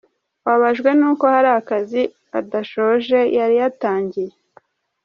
Ababajwe n’uko hari akazi adashoje yari yatangiye.